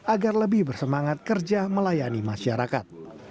agar lebih bersemangat kerja melayani masyarakat